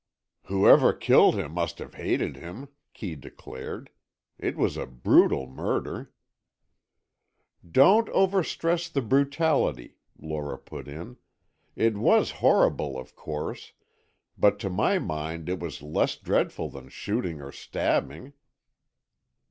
"Whoever killed him must have hated him," Kee declared. "It was a brutal murder——" "Don't over stress the brutality," Lora put in. "It was horrible, of course, but to my mind it was less dreadful than shooting or stabbing."